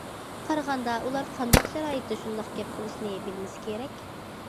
قارىغاندا ئۇلار قانداق شارائىتتا شۇنداق گەپ قىلىشنى بىلمىسە كېرەك.